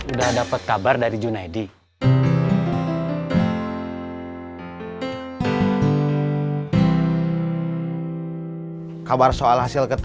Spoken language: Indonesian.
udah dapet kabar dari junedi